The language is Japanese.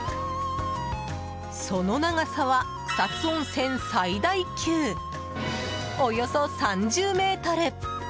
その長さは草津温泉最大級およそ３０ｍ。